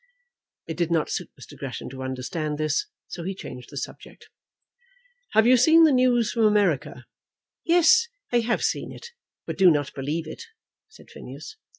It did not suit Mr. Gresham to understand this, so he changed the subject. "Have you seen the news from America?" "Yes, I have seen it, but do not believe it," said Phineas.